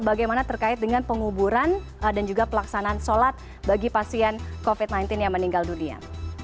bagaimana terkait dengan penguburan dan juga pelaksanaan sholat bagi pasien covid sembilan belas yang meninggal dunia